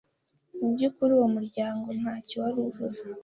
mu byukuri uwo muryango ntacyo wari ubuze